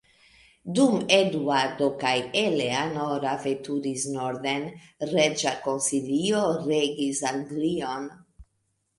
Dum Eduardo kaj Eleanora veturis norden, reĝa konsilio regis Anglion.